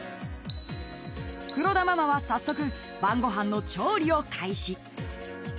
［黒田ママは早速晩ご飯の調理を開始］